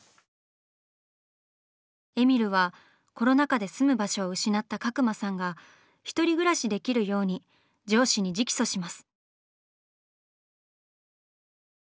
えみるはコロナ禍で住む場所を失った角間さんが１人暮らしできるように上司に直訴します。